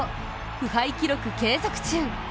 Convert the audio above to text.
不敗記録継続中。